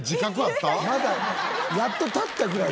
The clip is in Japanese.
まだやっと立ったぐらい。